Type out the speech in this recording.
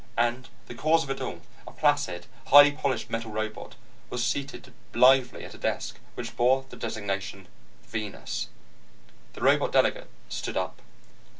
And the cause of it all, a placid, highly polished metal robot, was seated blithely at a desk which bore the designation: VENUS. The robot delegate stood up.